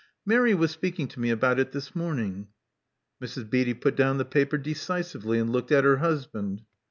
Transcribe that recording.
Mary was speaking to me about it this morning." Mrs. Beatty put down the paper decisively, and looked at her husband.